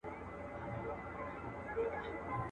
نه ښراوي سي تاوان ور رسولای.